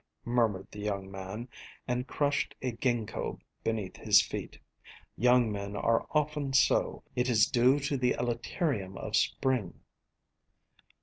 murmured the young man, and crushed a ginkgo beneath his feet. Young men are often so. It is due to the elaterium of spring.